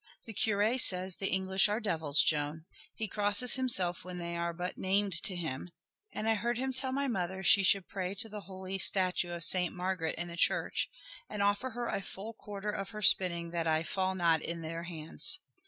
"The curé says the English are devils, Joan. He crosses himself when they are but named to him, and I heard him tell my mother she should pray to the holy statue of Saint Margaret in the church and offer her a full quarter of her spinning that I fall not in their hands."